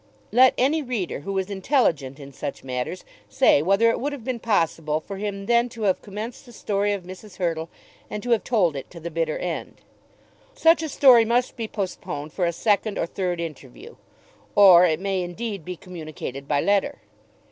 Let any reader who is intelligent in such matters say whether it would have been possible for him then to have commenced the story of Mrs. Hurtle and to have told it to the bitter end. Such a story must be postponed for a second or a third interview. Or it may, indeed, be communicated by letter.